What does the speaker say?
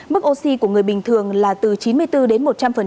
mức oxy của người bình thường là từ chín mươi bốn đến một trăm linh